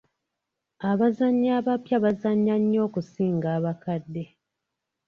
Abazannyi abapya bazannya nnyo okusinga abakadde.